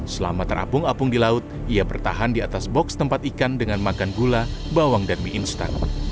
selama terapung apung di laut ia bertahan di atas boks tempat ikan dengan makan gula bawang dan mie instan